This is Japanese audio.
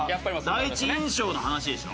第一印象の話でしょ？